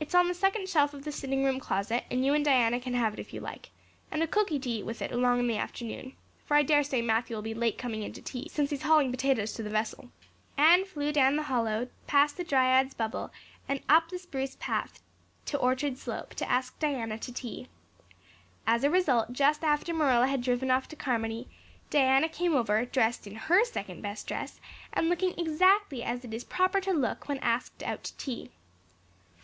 It's on the second shelf of the sitting room closet and you and Diana can have it if you like, and a cooky to eat with it along in the afternoon, for I daresay Matthew 'll be late coming in to tea since he's hauling potatoes to the vessel." Anne flew down to the hollow, past the Dryad's Bubble and up the spruce path to Orchard Slope, to ask Diana to tea. As a result just after Marilla had driven off to Carmody, Diana came over, dressed in her second best dress and looking exactly as it is proper to look when asked out to tea.